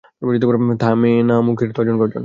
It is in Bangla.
থামে না মুখের তর্জন-গর্জন।